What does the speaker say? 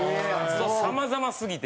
さまざますぎて。